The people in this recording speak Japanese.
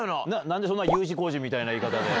何でＵ字工事みたいな言い方で。